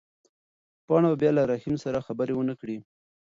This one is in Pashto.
پاڼه به بیا له رحیم سره خبرې ونه کړي.